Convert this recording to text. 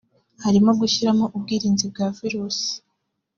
harimo gushyiramo ubwirinzi bwa virusi